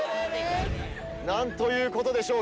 何ということでしょう